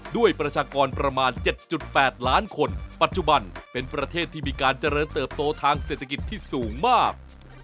ประชากรประมาณ๗๘ล้านคนปัจจุบันเป็นประเทศที่มีการเจริญเติบโตทางเศรษฐกิจที่สูงมาก